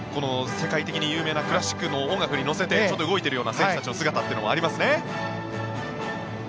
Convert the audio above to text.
世界的に有名なクラシックの音楽に乗せてちょっと動いているような選手たちの姿もありますね。